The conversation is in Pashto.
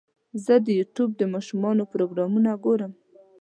زه د یوټیوب د ماشومانو پروګرامونه ګورم.